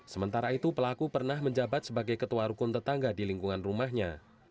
sementara itu pelaku pernah menjabat sebagai ketua rukun tetangga di lingkungan rumahnya